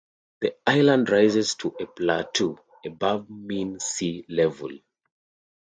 The island rises to a plateau above mean sea level.